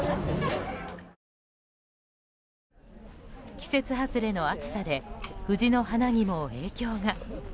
季節外れの暑さで藤の花にも影響が。